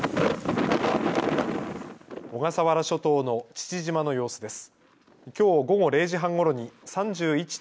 小笠原諸島の父島の様子です。